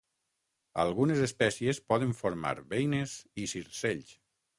Algunes espècies poden formar beines i circells.